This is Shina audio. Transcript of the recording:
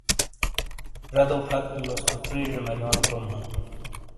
جدو پھت بِلوس تو پرِیجے مَریونو کروم ہوں۔